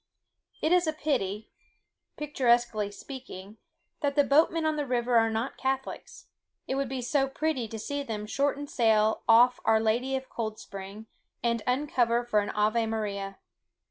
It is a pity (picturesquely speaking) that the boatmen on the river are not Catholics; it would be so pretty to see them shorten sail off Our Lady of Cold Spring, and uncover for an Ave Maria.